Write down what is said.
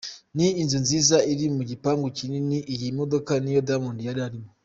Ni inzu nziza iri mu gipangu kinini, iyi modoka niyo Diamond yari arimo.